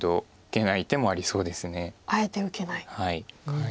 はい。